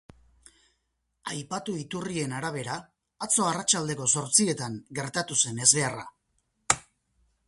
Aipatu iturrien arabera, atzo arratsaldeko zortzietan gertatu zen ezbeharra.